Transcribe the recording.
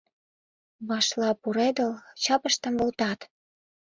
Вашла пуредыл, чапыштым волтат.